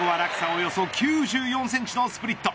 およそ９４センチのスプリット。